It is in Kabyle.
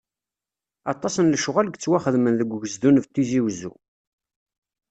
Aṭas n lecɣal yettwaxedmen deg ugezdu n Tizi Uzzu.